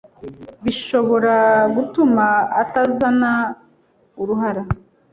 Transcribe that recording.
bishobora gutuma utazana uruhara.